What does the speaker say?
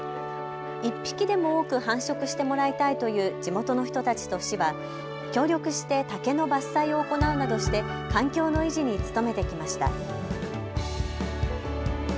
１匹でも多く繁殖してもらいたいという地元の人たちと市は協力して竹の伐採を行うなどして環境の維持に努めていきました。